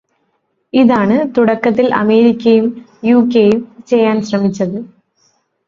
ഇതാണ് തുടക്കത്തിൽ അമേരിക്കയും യുകെയും ചെയ്യാൻ ശ്രമിച്ചത്.